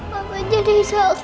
papa jadi sakit